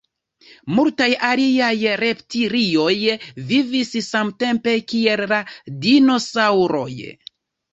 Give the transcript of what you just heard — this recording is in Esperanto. Multaj aliaj reptilioj vivis samtempe kiel la dinosaŭroj.